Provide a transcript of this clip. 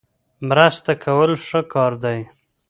مرسته کول ښه کار دی.